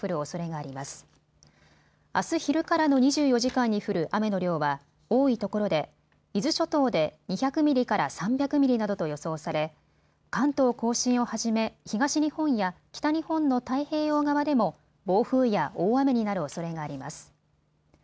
あす昼からの２４時間に降る雨の量は多いところで伊豆諸島で２００ミリから３００ミリなどと予想され、関東甲信をはじめ東日本や北日本の太平洋側でも暴風や大雨になるおそれがあります。